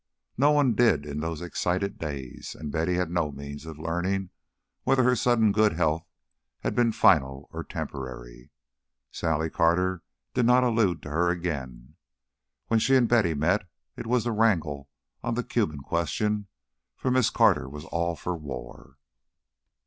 Nobody did in those excited days, and Betty had no means of learning whether her sudden good health had been final or temporary. Sally Carter did not allude to her again. When she and Betty met, it was to wrangle on the Cuban question, for Miss Carter was all for war.